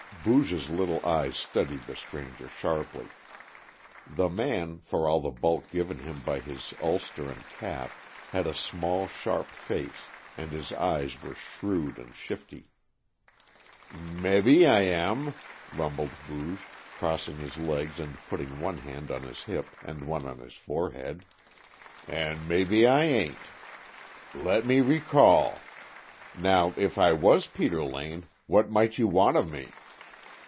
Booge's little eyes studied the stranger sharply. The man, for all the bulk given him by his ulster and cap, had a small, sharp face, and his eyes were shrewd and shifty. "Mebby I am," rumbled Booge, crossing his legs and putting one hand on his hip and one on his forehead, "and mebby I ain't. Let me recall! Now, if I was Peter Lane, what might you want of me?"